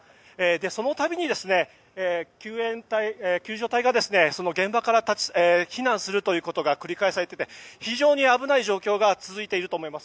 そのたびに、救助隊が現場から避難するということが繰り返されていて非常に危ない状況が続いていると思います。